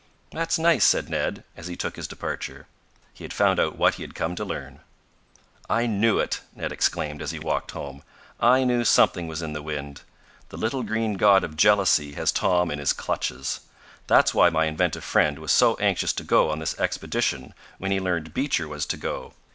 "That's nice," said Ned, as he took his departure. He had found out what he had come to learn. "I knew it!" Ned exclaimed as he walked home. "I knew something was in the wind. The little green god of jealousy has Tom in his clutches. That's why my inventive friend was so anxious to go on this expedition when he learned Beecher was to go.